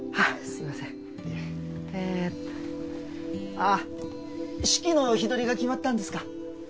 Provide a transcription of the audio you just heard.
あっ式の日取りが決まったんですか？